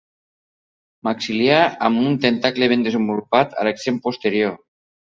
Maxil·lar amb un tentacle ben desenvolupat a l'extrem posterior.